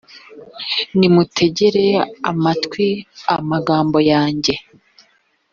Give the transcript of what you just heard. nimutegere amatwi amagambo yanjye